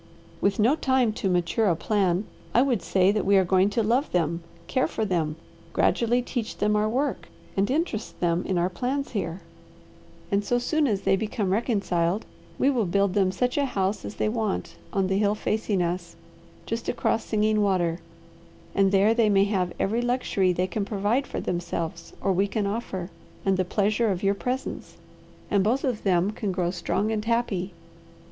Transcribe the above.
"With no time to mature a plan, I would say that we are going to love them, care for them, gradually teach them our work, and interest them in our plans here; and so soon as they become reconciled we will build them such a house as they want on the hill facing us, just across Singing Water, and there they may have every luxury they can provide for themselves, or we can offer, and the pleasure of your presence, and both of them can grow strong and happy.